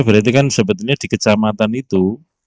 berarti kan seperti ini di kecamatan itu